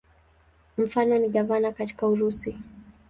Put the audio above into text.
Mfano ni gavana katika Urusi.